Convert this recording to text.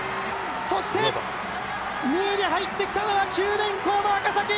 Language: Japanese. そして、２位に入ってきたのは九電工の赤崎。